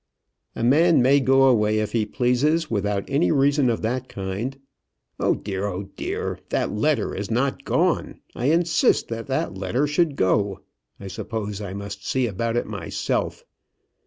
"A man may go away if he pleases, without any reason of that kind. Oh dear, oh dear, that letter is not gone! I insist that that letter should go. I suppose I must see about it myself."